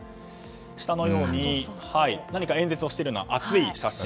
下のように何か演説をしているような熱い写真。